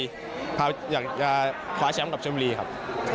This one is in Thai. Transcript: เขาอยากจะคว้าแชมป์กับชมบุรีครับ